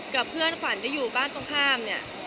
กับเพื่อนขวัญที่อยู่บ้านตรงข้ามเนี่ย